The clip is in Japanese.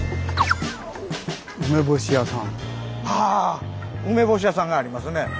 あ梅干し屋さんがありますね。